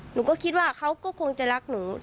หนูก็คิดว่าเขาก็คงจะรักหนู